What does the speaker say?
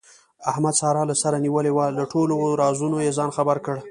احمد ساره له سره نیولې وه، له ټولو رازونو یې ځان خبر کړ.